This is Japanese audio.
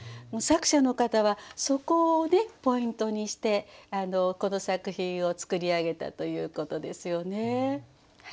作者の方はそこをポイントにしてこの作品を作り上げたということですよね。